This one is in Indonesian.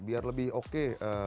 biar lebih oke